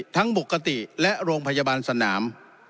ปกติและโรงพยาบาลสนาม